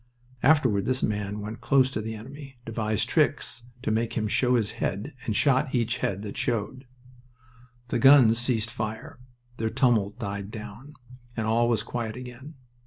Afterward this man went close to the enemy, devised tricks to make him show his head, and shot each head that showed. The guns ceased fire. Their tumult died down, and all was quiet again.